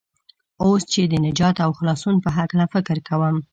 اوس چې د نجات او خلاصون په هلکه فکر کوم.